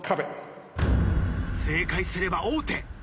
正解すれば王手。